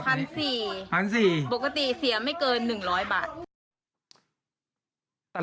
๑๔๐๐บาทปกติเสียไม่เกิน๑๐๐บาท